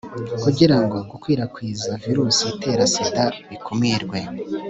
kugira ngo gukwirakwiza virusi itera sida bikumirwe